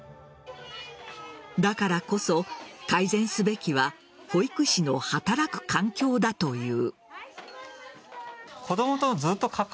だからこそ改善すべきは保育士の働く環境だという。